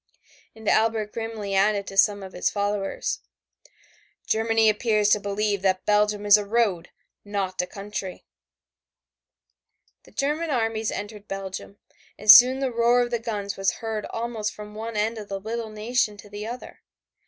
And Albert grimly added to some of his followers, "Germany appears to believe that Belgium is a road, not a country." The German armies entered Belgium, and soon the roar of the guns was heard almost from one end of the little nation to the other.